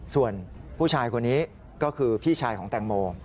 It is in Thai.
ส่วนผู้ชายคนนี้ก็คือพี่ชายของแตงโม